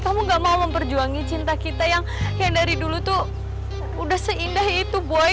kamu gak mau memperjuangi cinta kita yang dari dulu tuh udah seindah itu buaya